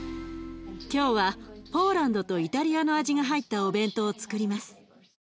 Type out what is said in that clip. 今日はポーランドとイタリアの味が入ったお弁当をつくります。